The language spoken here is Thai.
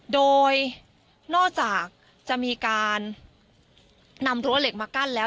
โดยนอกจากจะมีการนำรั้วเหล็กมากั้นแล้ว